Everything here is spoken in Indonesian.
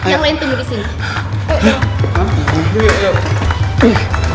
yang lain tunggu disini